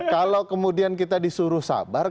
kalau kemudian kita disuruh sabar